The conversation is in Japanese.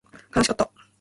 悲しかった